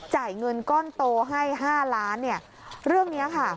จ่ายเงินก้อนโตให้๕ล้านเรื่องนี้ค่ะ